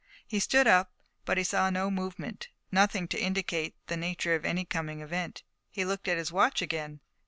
He stood up, but he saw no movement, nothing to indicate the nature of any coming event. He looked at his watch again.